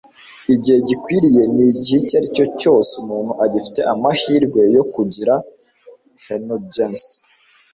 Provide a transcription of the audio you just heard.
igihe gikwiye ni igihe icyo ari cyo cyose umuntu agifite amahirwe yo kugira. - henry james